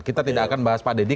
kita tidak akan bahas pak deddy